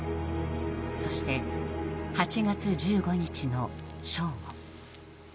そして、８月１５日の正午。